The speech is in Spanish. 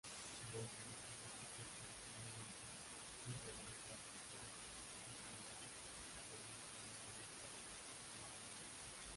Bolger había propuesto originalmente un regreso al sistema bicameral, con un senado electo popularmente.